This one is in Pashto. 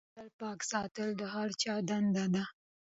د چاپیریال پاک ساتل د هر چا دنده ده.